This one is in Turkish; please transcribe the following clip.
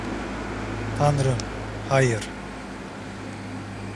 Tanrım, hayır.